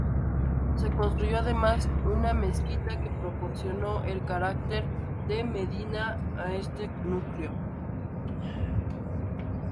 Se construyó además una mezquita que proporcionó el carácter de medina a este núcleo.